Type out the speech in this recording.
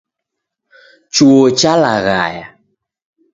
Chuo chalaghaya.